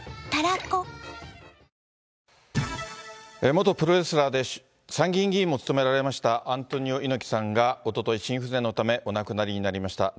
元プロレスラーで参議院議員も務められましたアントニオ猪木さんがおととい、心不全のためお亡くなりになりました。